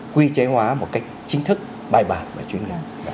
quy chế hóa một cách chính thức bài bản và chuyên ngành